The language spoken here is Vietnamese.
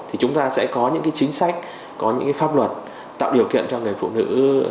thì chúng ta sẽ có những chính sách có những pháp luật tạo điều kiện cho người phụ nữ